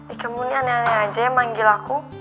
ika muni aneh aneh aja ya manggil aku